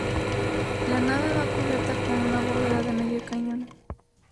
La nave va cubierta con una bóveda de medio cañón.